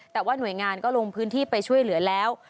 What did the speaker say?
แต่ว่าหน่วยงานก็ลงพื้นที่ไปช่วยเหลือแล้ว